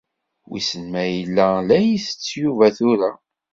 Wissen ma yella la isett Yuba tura.